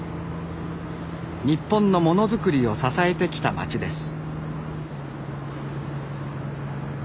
日本のものづくりを支えてきた街です。